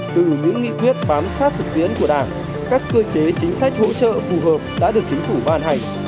từ những nghị quyết phám sát thực tiến của đảng các cơ chế chính sách hỗ trợ phù hợp đã được chính phủ bàn hành